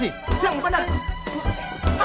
kenapa sesuatu sama saya